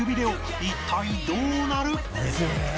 一体どうなる？